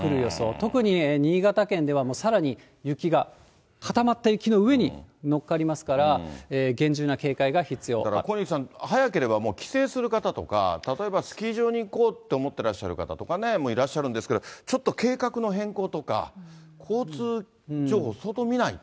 特に新潟県ではさらに雪が、固まった雪の上にのっかりますから、小西さん、早ければ帰省する方とか、例えばスキー場に行こうって思ってらっしゃる方とかいらっしゃるんですけど、ちょっと計画の変更とか、交通情報、相当見ないと。